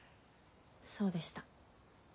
そうでした。